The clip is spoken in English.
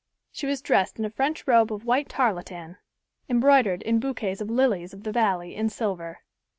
She was dressed in a French robe of white tarlatan, embroidered in boquets of lilies of the valley in silver.